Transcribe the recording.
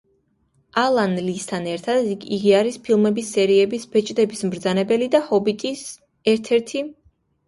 ალან ლისთან ერთად იგი არის ფილმების სერიების „ბეჭდების მბრძანებელი“ და „ჰობიტი“ ერთ-ერთი დამდგმელი მხატვარი.